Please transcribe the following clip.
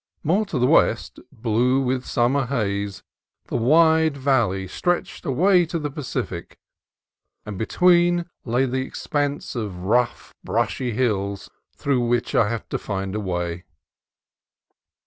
More to the west, blue with summer haze, the wide valley stretched away to the Pacific, and between lay the expanse of rough, brushy hills through which I had to find a way.